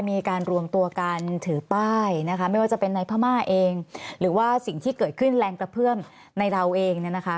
มีการรวมตัวกันถือป้ายนะคะไม่ว่าจะเป็นในพม่าเองหรือว่าสิ่งที่เกิดขึ้นแรงกระเพื่อมในเราเองเนี่ยนะคะ